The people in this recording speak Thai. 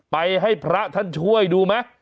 ไปให้พระท่านช่วยดูไหม